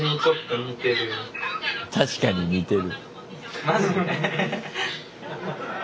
確かに似てる。